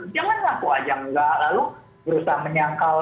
jangan laku aja enggak lalu berusaha menyangkal